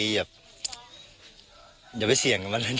อย่าไปเสี่ยงกับมันนะครับ